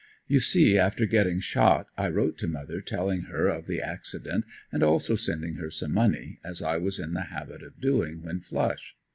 You see after getting shot I wrote to mother telling her of the accident and also sending her some money, as I was in the habit of doing when flush.